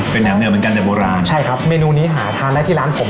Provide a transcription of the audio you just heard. เป็นแหมเหมือนกันแต่โบราณใช่ครับเมนูนี้หาทานได้ที่ร้านผม